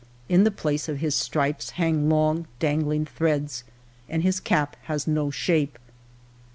In the place of his stripes hang long dangling threads, and his cap has no shape.